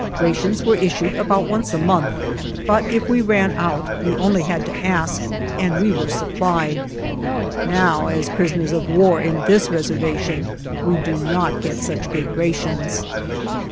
Ra tions were issued about once a month, but if we ran out we only had to ask and we were supplied. Now, as prisoners of war in this Reservation, we do not get such good rations.